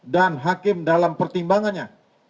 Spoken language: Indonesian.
dan hakim dalam pertimbangannya